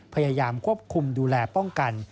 พยายามควบคุมดูแลป้องกัน